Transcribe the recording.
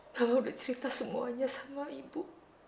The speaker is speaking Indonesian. mama sudah cerita semuanya sama imbu